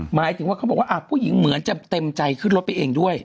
หมายถึงว่าเขาบอกว่าผู้หญิงเหมือนจะเต็มใจขึ้นรถไปเองด้วย